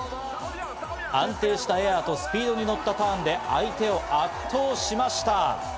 安定したエアとスピードに乗ったターンで相手を圧倒しました。